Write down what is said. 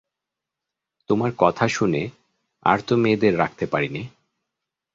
তোমার কথা শুনে আর তো মেয়েদের রাখতে পারি নে!